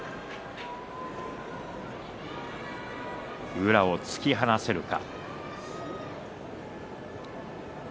宇良を突き放せるか。